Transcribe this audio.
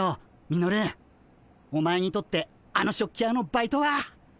ミノルお前にとってあの食器屋のバイトは。